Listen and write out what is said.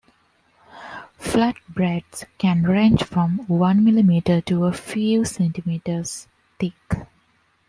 Flatbreads can range from one millimeter to a few centimeters thick.